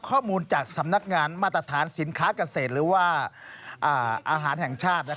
ข้อมูลจากสำนักงานมาตรฐานสินค้าเกษตรหรือว่าอาหารแห่งชาติ